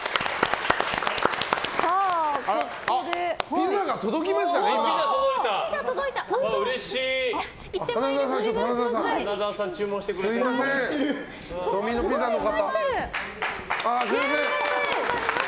ピザが届きました！